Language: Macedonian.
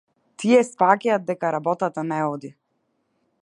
Тие сфаќаат дека работата не оди.